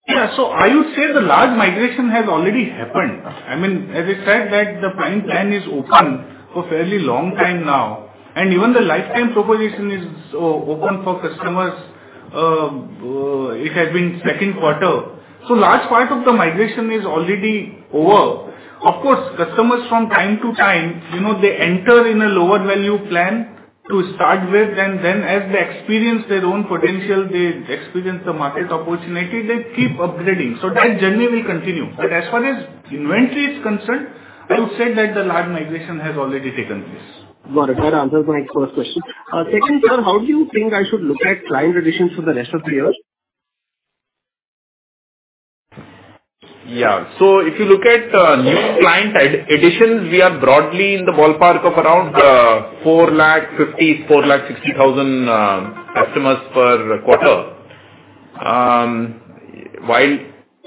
Speaker 4: Yeah. I would say the large migration has already happened. I mean, as I said that the Prime plan is open for fairly long time now, and even the lifetime proposition is open for customers, it has been Q2. Large part of the migration is already over. Of course, customers from time to time, they enter in a lower value plan to start with, and then as they experience their own potential, they experience the market opportunity, they keep upgrading. That journey will continue. As far as inventory is concerned, I would say that the large migration has already taken place.
Speaker 10: Got it. That answers my first question. Second, sir, how do you think I should look at client additions for the rest of the year?
Speaker 2: Yeah. If you look at new client additions, we are broadly in the ballpark of around 450,000-460,000 customers per quarter. While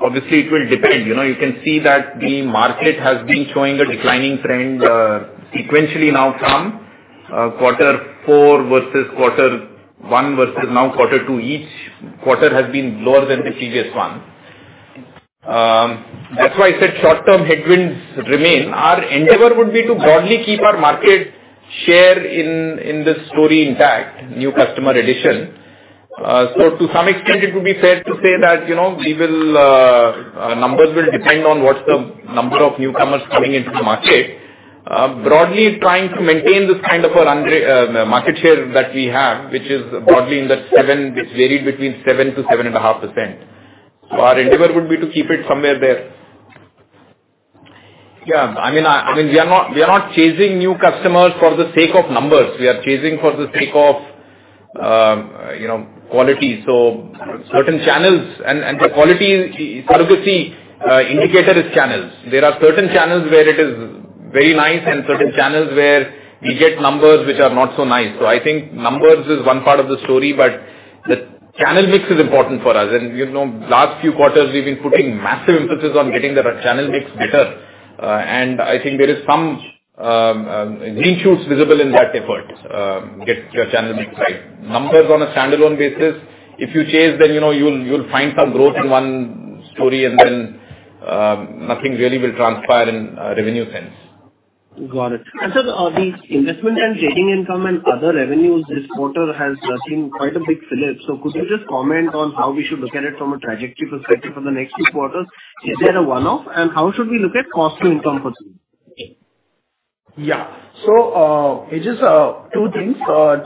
Speaker 2: obviously it will depend, you can see that the market has been showing a declining trend sequentially now from quarter four versus quarter one versus now quarter two. Each quarter has been lower than the previous one. That's why I said short-term headwinds remain. Our endeavor would be to broadly keep our market share in this story intact, new customer addition. To some extent, it would be fair to say that, we will, our numbers will depend on what's the number of newcomers coming into the market. Broadly trying to maintain this kind of a range, the market share that we have, which is broadly in that 7%, it's varied between 7%-7.5%. Our endeavor would be to keep it somewhere there. I mean, we are not chasing new customers for the sake of numbers. We are chasing for the sake of quality. Certain channels and the quality surrogate indicator is channels. There are certain channels where it is very nice and certain channels where we get numbers which are not so nice. I think numbers is one part of the story, but the channel mix is important for us. You know, last few quarters we've been putting massive emphasis on getting the channel mix better. I think there is some green shoots visible in that effort, get your channel mix right. Numbers on a standalone basis, if you chase them, you'll find some growth in one story and then nothing really will transpire in revenue sense.
Speaker 10: Got it. The investment and trading income and other revenues this quarter has seen quite a big flip. Could you just comment on how we should look at it from a trajectory perspective for the next few quarters? Is that a one-off, and how should we look at cost to income for this?
Speaker 5: Yeah. It is two things.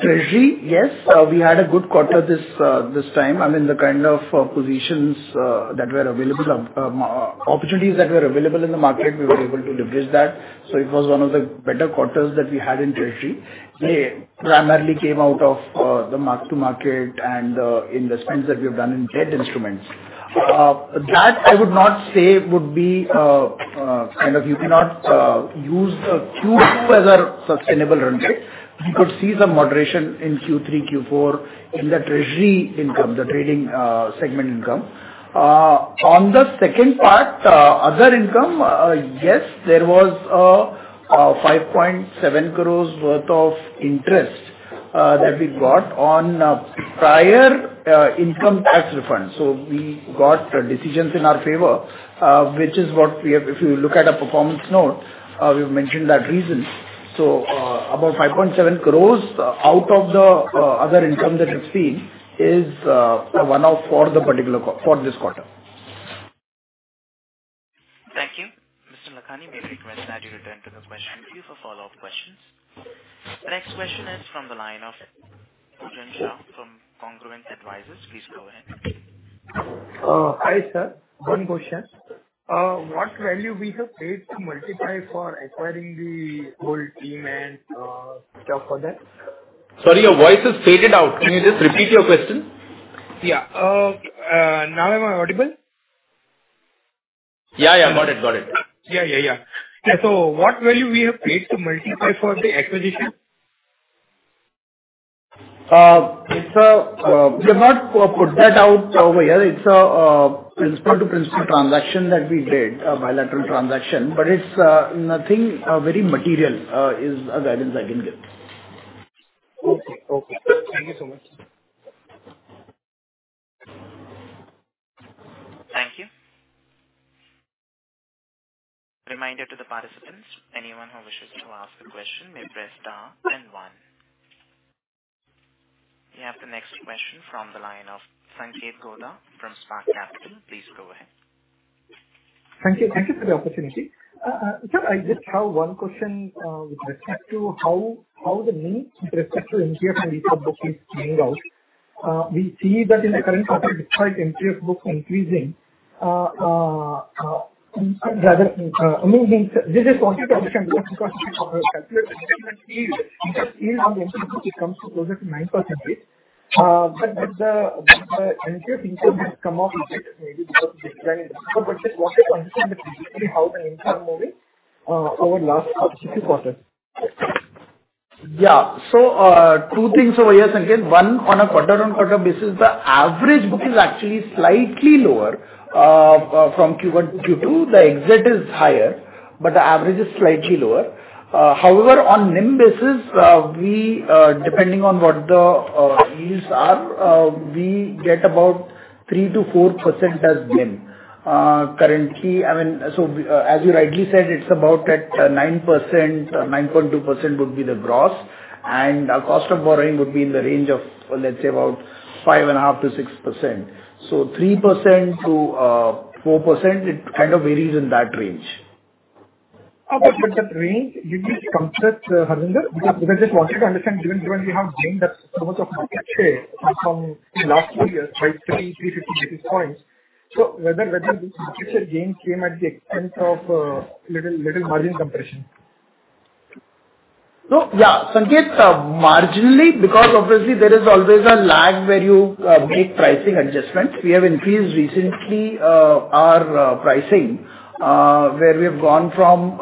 Speaker 5: Treasury, yes, we had a good quarter this time. I mean, the kind of positions that were available, opportunities that were available in the market, we were able to leverage that. It was one of the better quarters that we had in treasury. They primarily came out of the mark-to-market and investments that we have done in debt instruments. That I would not say would be kind of you cannot use the Q2 as a sustainable runway. You could see some moderation in Q3, Q4 in the treasury income, the trading segment income. On the second part, other income, yes, there was 5.7 crores worth of interest that we got on prior income tax refunds. We got decisions in our favor, which is what we have. If you look at our performance note, we've mentioned that reason. About 5.7 crores out of the other income that you've seen is a one-off for this quarter.
Speaker 1: Thank you. Mr. Lakhani, may I request that you return to the question queue for follow-up questions. Next question is from the line of Pujen Shah from Congruent Advisors. Please go ahead.
Speaker 11: Hi, sir. One question. What value we have paid to Multipie for acquiring the whole team and stuff for that?
Speaker 5: Sorry, your voice has faded out. Can you just repeat your question?
Speaker 11: Yeah. Now am I audible?
Speaker 5: Yeah. Got it.
Speaker 11: Yeah. What value we have paid to Multiply for the acquisition?
Speaker 5: We have not put that out over here. It's a principal-to-principal transaction that we did, a bilateral transaction, but it's nothing very material, is the guidance I can give.
Speaker 11: Okay. Thank you so much.
Speaker 1: Thank you. Reminder to the participants, anyone who wishes to ask a question may press star then one. We have the next question from the line of Sanket Godha from Spark Capital. Please go ahead.
Speaker 12: Thank you. Thank you for the opportunity. Sir, I just have one question, with respect to how the NIM with respect to MTF and ESOP book is playing out. We see that in the current quarter, despite MTF book increasing, rather, I mean, this is positive action because if you calculate the yield, the yield on MTF book comes to closer to 9%. But the MTF income has come off a bit, maybe because of decline in number. Just wanted to understand basically how the income moving over last few quarters.
Speaker 5: Yeah. Two things over here, Sanket. One, on a quarter-on-quarter basis, the average book is actually slightly lower from Q1 to Q2. The exit is higher, but the average is slightly lower. However, on NIM basis, we, depending on what the yields are, we get about 3%-4% as NIM. Currently, I mean, as you rightly said, it's about at 9%, 9.2% would be the gross and our cost of borrowing would be in the range of, let's say about 5.5%-6%. Three percent to 4%, it kind of varies in that range.
Speaker 12: That range, did it come set, Harvinder? Because I just wanted to understand, given we have gained that so much of market share from the last two years, 533, 50 basis points. Whether this market share gain came at the expense of little margin compression?
Speaker 5: No. Yeah. Sanket, marginally because obviously there is always a lag where you make pricing adjustments. We have increased recently our pricing where we have gone from,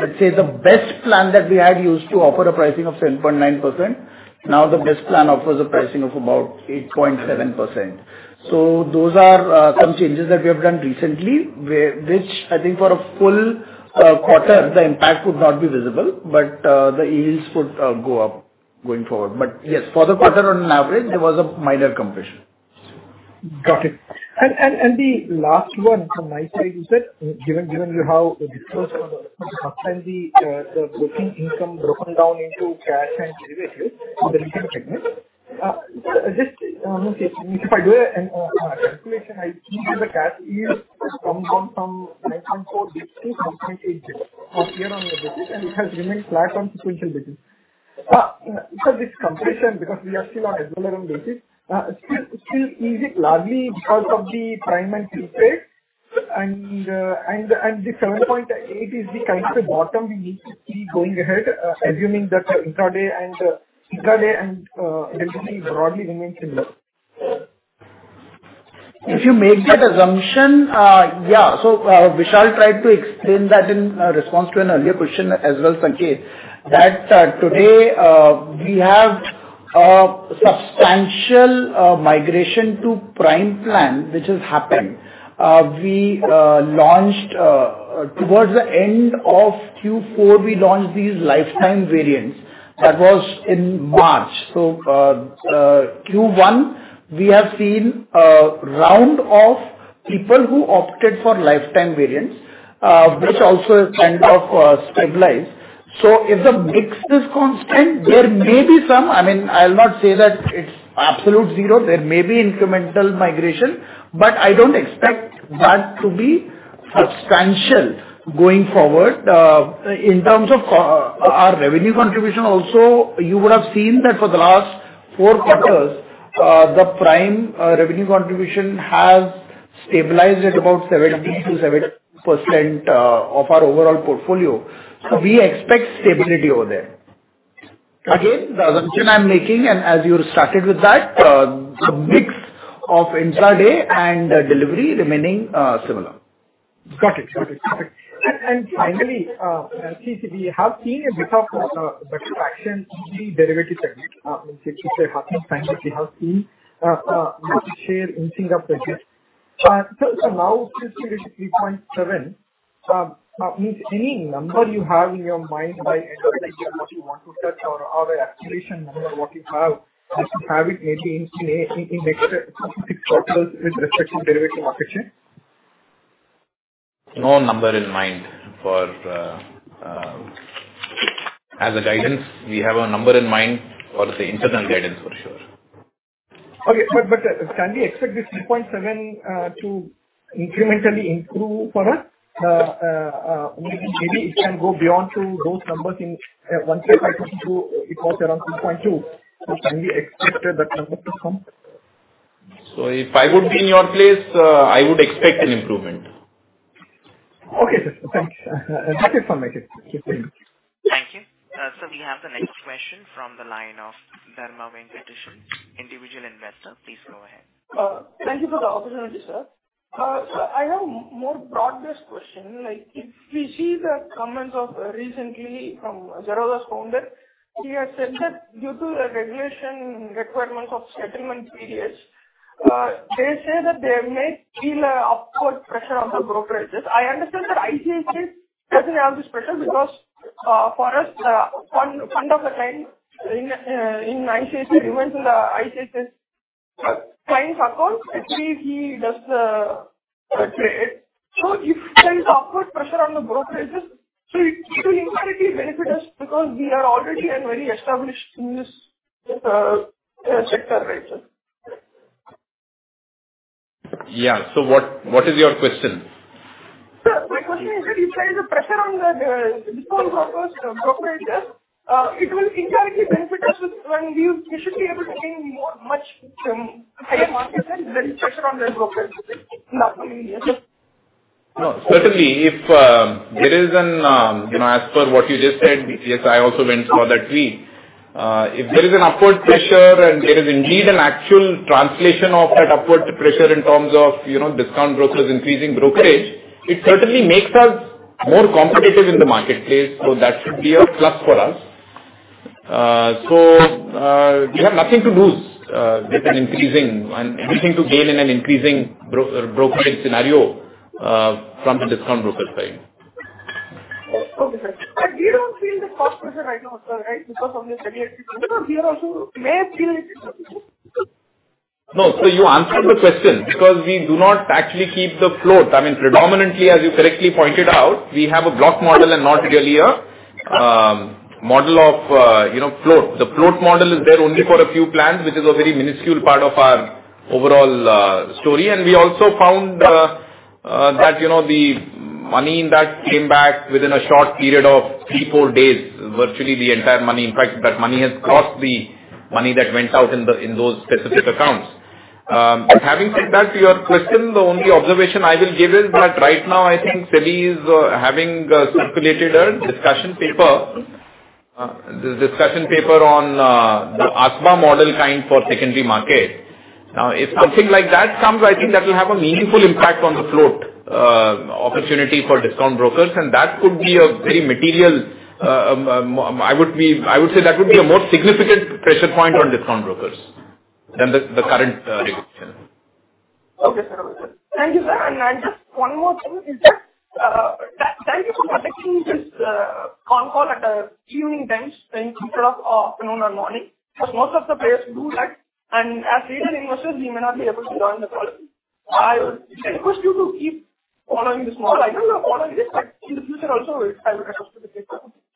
Speaker 5: let's say the best plan that we had used to offer a pricing of 7.9%. Now the best plan offers a pricing of about 8.7%. Those are some changes that we have done recently where, which I think for a full quarter the impact would not be visible, but the yields could go up going forward. Yes, for the quarter on an average, there was a minor compression.
Speaker 12: Got it. The last one from my side is that, given how disclosed for the first time the brokerage income broken down into cash and derivatives for the retail segment. Just, if I do a calculation, I see that the cash yield has come down from 9.4 basis to 7.8 basis from year-over-year basis, and it has remained flat on sequential basis. This compression, because we are still on SLBM basis, still is it largely because of the Prime and tilt trade? And the 7.8 is the kind of bottom we need to see going ahead, assuming that the intraday and liquidity broadly remain similar.
Speaker 5: If you make that assumption, yeah. Vishal tried to explain that in response to an earlier question as well, Sanket, that today we have a substantial migration to Prime plan which has happened. We launched towards the end of Q4, we launched these lifetime variants. That was in March. Q1, we have seen a round of people who opted for lifetime variants, which also kind of stabilized. If the mix is constant, there may be some, I mean, I'll not say that it's absolute zero. There may be incremental migration, but I don't expect that to be substantial going forward. In terms of our revenue contribution also, you would have seen that for the last four quarters, the Prime revenue contribution has stabilized at about 70%-72% of our overall portfolio. We expect stability over there. Again, the assumption I'm making, and as you started with that, the mix of intraday and delivery remaining similar.
Speaker 12: Got it. Finally, we have seen a bit of contraction in the derivatives segment. Since you said half the time that we have seen market share increasing this year. Now since it is 3.7%, means any number you have in your mind by end of the year what you want to touch or an aspiration number what you have, just to have it maybe in the next six quarters with respect to derivatives market share.
Speaker 2: As guidance, we have a number in mind for, say, internal guidance for sure.
Speaker 12: Can we expect this 3.7% to incrementally improve for us? Maybe it can go beyond to those numbers in one way if I come to it was around 6.2%. Can we expect that number to come?
Speaker 2: If I would be in your place, I would expect an improvement.
Speaker 12: Okay, sir. Thanks. That is for my question.
Speaker 1: Thank you. We have the next question from the line of Dharmesh Ketish, individual investor. Please go ahead.
Speaker 13: Thank you for the opportunity, sir. I have my broadest question. Like, if we see the recent comments from Zerodha's founder, he has said that due to the regulatory requirements of settlement periods, they may feel an upward pressure on the brokerages. I understand that ICICI doesn't have this pressure because for us, funds of the client in ICICI remain in ICICI's client account. Actually, he does the trade. If there is upward pressure on the brokerages, it will indirectly benefit us because we are already very established in this sector. Right, sir?
Speaker 2: Yeah. What is your question?
Speaker 13: Sir, my question is that if there is a pressure on the discount brokers, brokerages, it will indirectly benefit us with when we should be able to gain much higher market share when pressure on the brokerages in that area. Yes, sir.
Speaker 2: Certainly, as per what you just said, yes, I also went for that read. If there is an upward pressure and there is indeed an actual translation of that upward pressure in terms of, discount brokers increasing brokerage, it certainly makes us more competitive in the marketplace. That should be a plus for us. We have nothing to lose with an increasing brokerage and everything to gain in an increasing brokerage scenario from the discount brokers' side.
Speaker 13: Okay, sir. We don't feel the cost pressure right now also, right? Because of this regulatory, because we may also feel it.
Speaker 2: No. You answered the question because we do not actually keep the float. I mean, predominantly, as you correctly pointed out, we have a block model and not really a model of, float. The float model is there only for a few plans, which is a very minuscule part of our overall story. We also found that, the money in that came back within a short period of three, four days. Virtually the entire money, in fact, that money has crossed the money that went out in those specific accounts. Having said that, to your question, the only observation I will give is that right now I think SEBI is having circulated a discussion paper on the ASBA model kind for secondary market. Now, if something like that comes, I think that will have a meaningful impact on the float opportunity for discount brokers, and that could be a very material. I would say that would be a more significant pressure point on discount brokers than the current regulation.
Speaker 13: Okay, sir. Thank you, sir. Just one more thing is that, thank you for conducting this call at evening times than 2 o'clock, afternoon or morning, because most of the players do that, and as later investors, we may not be able to join the call. I would request you to keep following this model. I don't know follow this, but in the future also, I will also participate.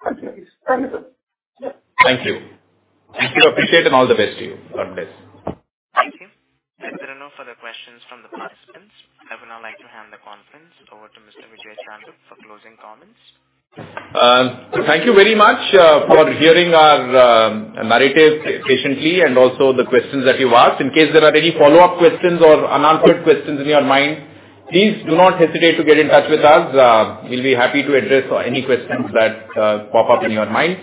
Speaker 13: Thank you. Thank you, sir.
Speaker 2: Thank you. We appreciate and all the best to you. God bless.
Speaker 1: Thank you. If there are no further questions from the participants, I would now like to hand the conference over to Mr. Vijay Chandok for closing comments.
Speaker 2: Thank you very much for hearing our narrative patiently and also the questions that you asked. In case there are any follow-up questions or unanswered questions in your mind, please do not hesitate to get in touch with us. We'll be happy to address any questions that pop up in your mind.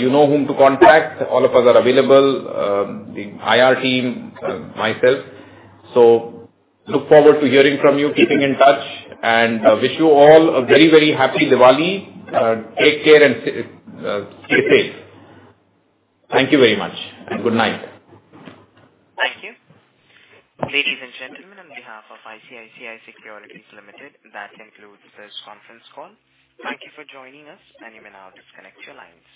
Speaker 2: You know whom to contact. All of us are available. The IR team, myself. Look forward to hearing from you, keeping in touch, and I wish you all a very, very happy Diwali. Take care and stay safe. Thank you, very much and good night.
Speaker 1: Thank you. Ladies and gentlemen, on behalf of ICICI Securities Limited, that concludes this conference call. Thank you for joining us, and you may now disconnect your lines.